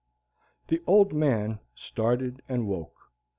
The Old Man started and woke.